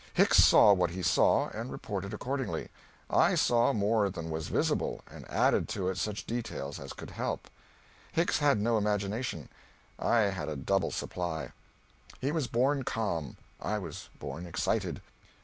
Hicks saw what he saw, and reported accordingly; I saw more than was visible, and added to it such details as could help. Hicks had no imagination, I had a double supply. He was born calm, I was born excited.